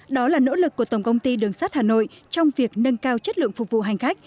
đó là nỗ lực của tổng công ty đường sắt hà nội trong việc nâng cao chất lượng phục vụ hành khách